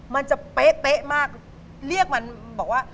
มันจะเป๊ะมากเรียกมันบอกว่า